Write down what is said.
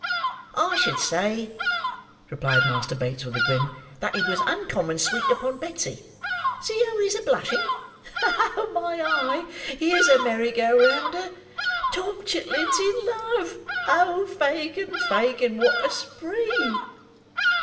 "I should say," replied Master Bates, with a grin, "that he was uncommon sweet upon Betsy. See how he's a blushing! Oh, my eye! here's a merry go rounder! Tommy Chitling's in love! Oh, Fagin, Fagin! what a spree!"